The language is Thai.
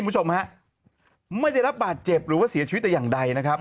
ไม่ได้รับบาดเจ็บหรือเสียชีวิตอย่างใด